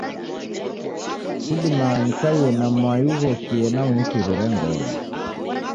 Sidima nikaie na mwai ughokie na unitirire ngolo